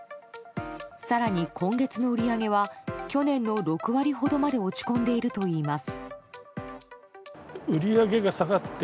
更に、今月の売り上げは去年の６割ほどまで落ち込んでいるといいます。